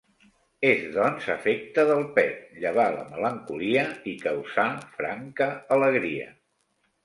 És, doncs, efecte del pet, llevar la melancolia i causar franca alegria.